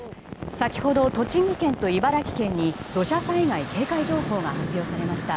先ほど、栃木県と茨城県に土砂災害警戒情報が発表されました。